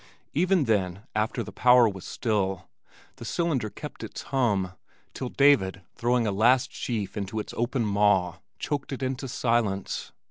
Even then, after the power was still, the cylinder kept its hum, till David throwing a last sheaf into its open maw, choked it into silence.